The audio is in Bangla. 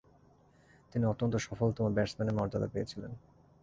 তিনি অত্যন্ত সফলতম ব্যাটসম্যানের মর্যাদা পেয়েছিলেন।